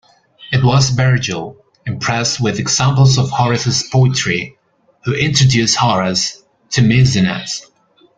It was Virgil, impressed with examples of Horace's poetry, who introduced Horace to Maecenas.